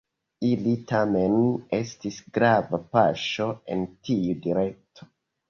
Ili tamen estis grava paŝo en tiu direkto.